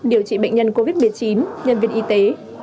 điều trị bệnh nhân covid một mươi chín nhân viên y tế